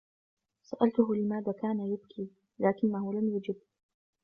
سألته لماذا كان يبكي ، لكنه لم يجب.